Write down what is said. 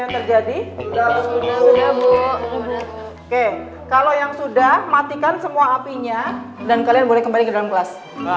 terima kasih kalau yang sudah matikan semua apinya dan kalian boleh kembali ke dalam kelas